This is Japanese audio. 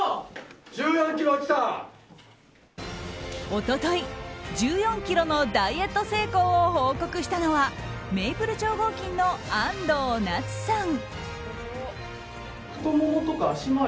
一昨日、１４ｋｇのダイエット成功を報告したのはメイプル超合金の安藤なつさん。